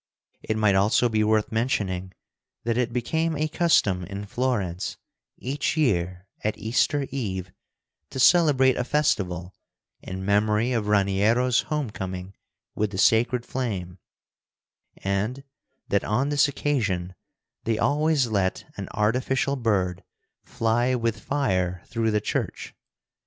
It might also be worth mentioning that it became a custom in Florence, each year at Easter Eve, to celebrate a festival in memory of Raniero's home coming with the sacred flame, and that, on this occasion, they always let an artificial bird fly with fire through the church.